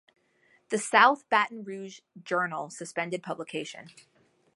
The "South Baton Rouge Journal" suspended publication.